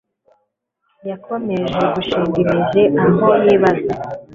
yakomeje gushinga imizi aho yibaza